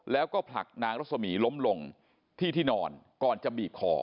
แล้วก็ผลักนางรสมีล้มลงที่ที่นอนก่อนจะบีบคอ